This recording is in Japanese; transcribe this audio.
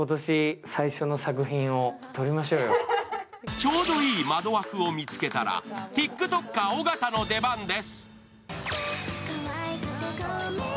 ちょうどいい窓枠を見つけたらＴｉｋＴｏｋｅｒ・尾形の出番です。